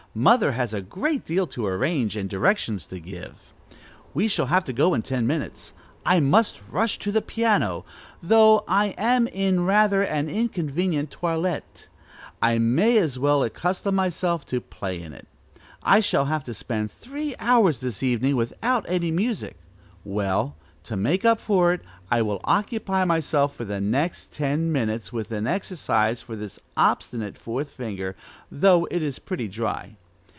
Mother has a great deal to arrange, and directions to give. We shall have to go in ten minutes. I must rush to the piano, though I am in rather an inconvenient toilette: I may as well accustom myself to play in it. I shall have to spend three hours this evening without any music. Well, to make up for it, I will occupy myself for the next ten minutes with an exercise for this obstinate fourth finger, though it is pretty dry.